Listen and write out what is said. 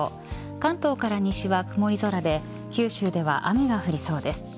関東から西は曇り空で九州では雨が降りそうです。